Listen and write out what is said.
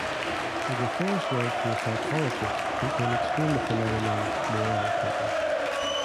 He refers Will to a psychologist who can explain the phenomenon more eloquently.